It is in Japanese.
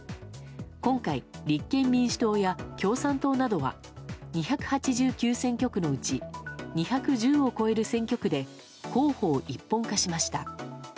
今回、立憲民主党や共産党などは２８９選挙区のうち２１０を超える選挙区で候補を一本化しました。